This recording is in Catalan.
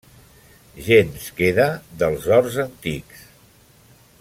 Gens queda dels horts antics.